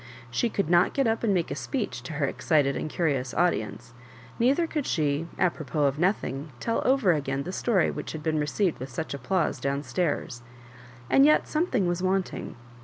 She could not get up and make a speech to her excit ed and curious audience, neither could she, apny pot of nothing, tell oyer again the story which had been received with such applause down stairs'; and yet something was wanting.